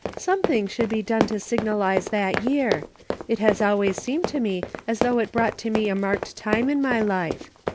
"Something should be done to signalize that year ; it has always seemed to me as though it ought to be a marked time in my life.